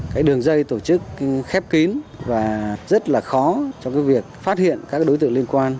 cái đường dây tổ chức khép kín và rất là khó trong cái việc phát hiện các đối tượng liên quan